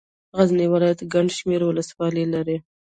غزني ولايت ګڼ شمېر ولسوالۍ لري.